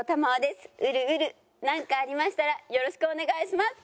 なんかありましたらよろしくお願いします。